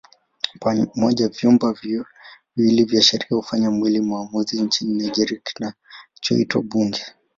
Pamoja vyumba viwili vya sheria hufanya mwili maamuzi nchini Nigeria kinachoitwa Bunge.